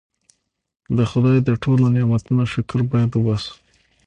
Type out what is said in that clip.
د خدای د ټولو نعمتونو شکر باید وباسو.